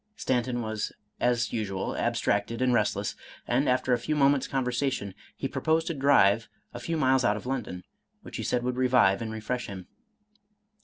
Stanton was as usual abstracted and restless, and, after a few mo ments' conversation, he proposed a drive a few miles out of London, which he said would revive and refresh him.